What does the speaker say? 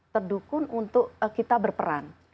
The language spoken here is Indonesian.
terdukung untuk kita berperan